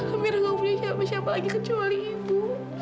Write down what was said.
amira gak punya siapa siapa lagi kecuali ibu